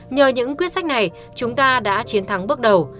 nhờ những quyết sách này chúng ta đã chiến thắng bước đầu